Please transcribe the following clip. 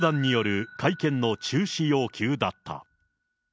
教団による会見の中止要求だった。